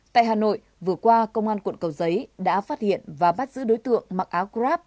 tại hà nội vừa qua công an quận cầu giấy đã phát hiện và bắt giữ đối tượng mặc áo grab